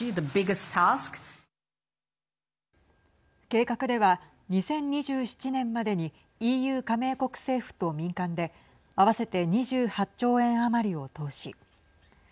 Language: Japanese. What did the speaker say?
計画では２０２７年までにＥＵ加盟国政府と民間で合わせて２８兆円余りを投資。